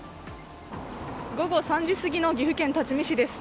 午後３時すぎの岐阜県多治見市です。